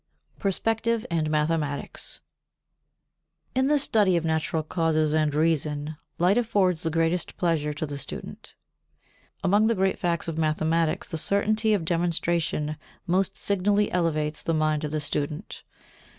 [Sidenote: Perspective & Mathematics] 57. In the study of natural causes and reasons light affords the greatest pleasure to the student; among the great facts of mathematics the certainty of demonstration most signally elevates the mind of the student.